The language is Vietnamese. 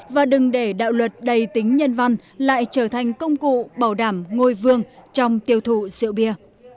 và đừng để đạo luật đầy tính nhân văn lại trở thành công cụ bảo đảm ngôi vương trong tiêu thụ rượu bia